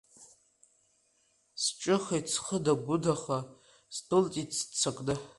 Сҿыхеит схыда-гәыдаха, сдәылҵит сыццакны.